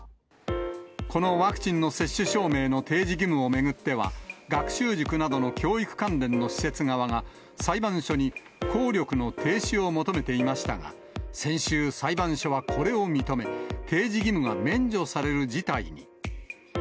このワクチンの接種証明の提示義務を巡っては、学習塾などの教育関連の施設側が、裁判所に効力の停止を求めていましたが、先週、裁判所はこれを認め、提示義務が免除される事態に。